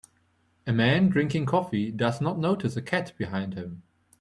A man drinking coffee does not notice a cat behind him.